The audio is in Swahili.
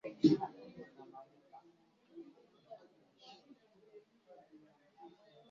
Dalili ingine ya homa ya mapafu ni mnyama kuelekea upepo unakotokea akiwa amefungua pua